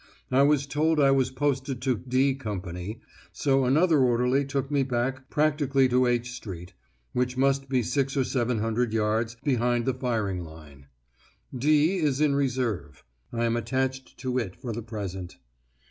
I was told I was posted to 'D' Company, so another orderly took me back practically to H Street, which must be six or seven hundred yards behind the firing line. 'D' is in reserve; I am attached to it for the present.